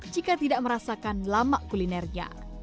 jika tidak merasakan lama kulinernya